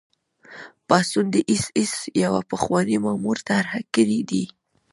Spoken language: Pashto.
پاڅون د اېس ایس یوه پخواني مامور طرح کړی دی